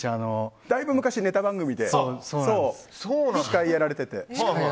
だいぶ昔、ネタ番組で司会をやられてて。